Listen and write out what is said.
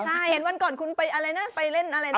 ใช่เห็นวันก่อนคุณไปอะไรนะไปเล่นอะไรนะ